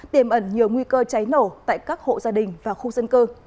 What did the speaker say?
tiềm ẩn nhiều nguy cơ cháy nổ tại các hộ gia đình và khu dân cư